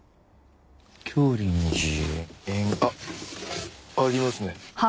教林寺縁あっありますね。